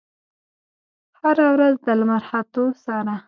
هره ورځ د لمر ختو سره